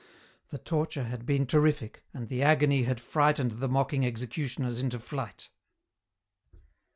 The torture had been terrific, and the agony had frightened the mocking executioners into flight.